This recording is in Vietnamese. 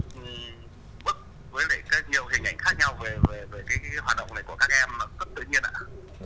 về cái hoạt động này của các em